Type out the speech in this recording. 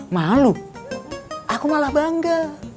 malu aku malah bangga